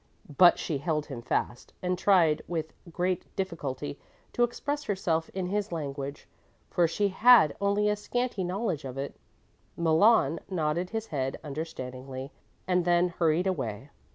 But she held him fast and tried with great difficulty to express herself in his language, for she had only a scanty knowledge of it. Malon nodded his head understandingly and then hurried away.